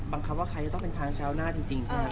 บังคับว่าใครจะต้องเป็นทางชาวหน้าจริงใช่ไหมครับ